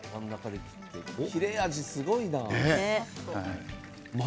切れ味すごいな。